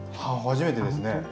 初めてですね。